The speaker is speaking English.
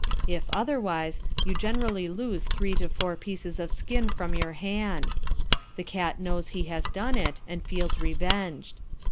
If otherwise, you generally lose three to four pieces of skin from your hand; the cat knows he has done it, and feels revenged.